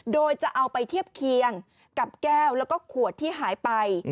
โดยจะเอาไปเทียบเคียงกับแก้วแล้วก็ขวดที่หายไป